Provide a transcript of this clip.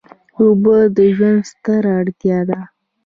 اوبه د ژوند ستره اړتیا ده.